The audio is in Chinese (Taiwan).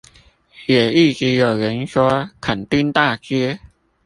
也一直有人說墾丁大街